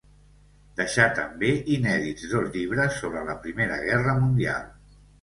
Deixà també inèdits dos llibres sobre la Primera Guerra Mundial.